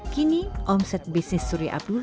kini omset bisnis suri abdul